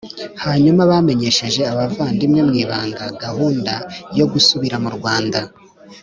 Hanyuma bamenyesheje abavandimwe mu ibanga gahunda yo gusubira mu rwanda